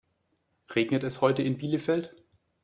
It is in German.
Regnet es heute in Bielefeld?